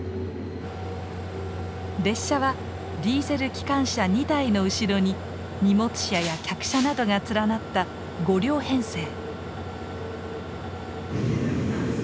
列車はディーゼル機関車２台の後ろに荷物車や客車などが連なった５両編成。